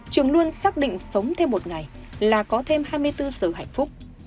trường luôn xác định sống thêm một ngày là có thêm hai mươi bốn sự hạnh phúc